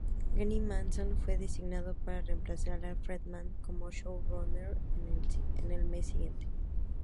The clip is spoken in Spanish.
Graeme Manson fue designado para reemplazar a Friedman como showrunner el mes siguiente.